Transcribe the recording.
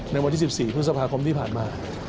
ในวันที่๑๔พฤษภาคมที่ผ่านมา